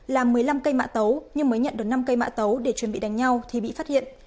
làm một mươi năm cây mạ tấu nhưng mới nhận được năm cây mã tấu để chuẩn bị đánh nhau thì bị phát hiện